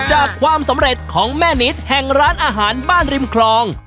ความสำเร็จของแม่นิดแห่งร้านอาหารบ้านริมคลอง